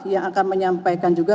yang akan menyampaikan juga